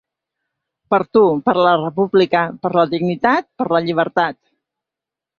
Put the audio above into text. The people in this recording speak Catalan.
Per tu, per la república, per la dignitat, per la llibertat.